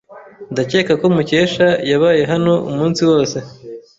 Ndakeka ko Mukesha yabaye hano umunsi wose.